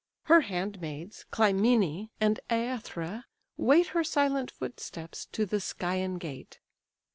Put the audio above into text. Her handmaids, Clymene and Æthra, wait Her silent footsteps to the Scæan gate.